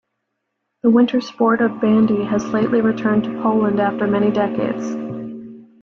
The winter sport of bandy has lately returned to Poland after many decades.